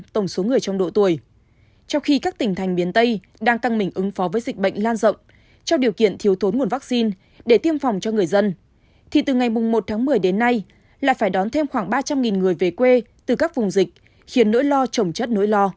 trong khi các tỉnh miền trung tập trung chống dịch covid một mươi chín